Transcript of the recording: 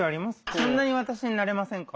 そんなに私に慣れませんか？